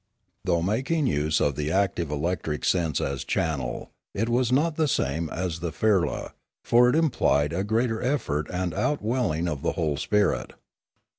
Though making use of the active electric sense as channel, it was not the same as the firla, for it implied a greater effort and outwelling of the whole spirit.